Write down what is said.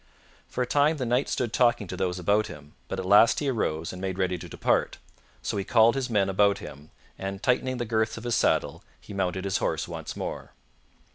For a time the Knight stood talking to those about him, but at last he arose and made ready to depart, so he called his men about him and, tightening the girths of his saddle, he mounted his horse once more.